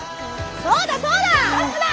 そうだそうだ！